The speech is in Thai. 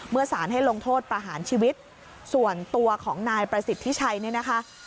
สารให้ลงโทษประหารชีวิตส่วนตัวของนายประสิทธิชัยเนี่ยนะคะ